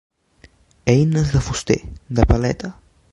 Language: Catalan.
Eines de fuster, de paleta.